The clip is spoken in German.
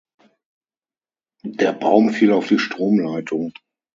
Der Baum fiel auf die Stromleitung.